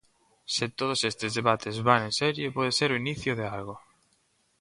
Se todos estes debates van en serio, pode ser o inicio de algo.